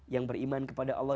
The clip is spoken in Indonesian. yang beriman kepada allah